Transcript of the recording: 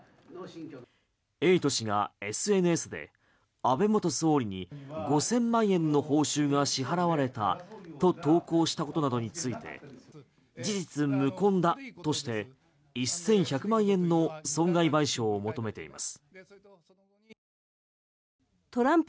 エイト氏がＳＮＳで安倍元総理に５０００万円の報酬が支払われたと投稿したことなどについて事実無根だとして１１００万円の損害賠償を求めています。